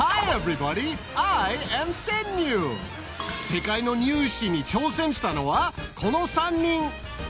世界のニュー試に挑戦したのはこの３人。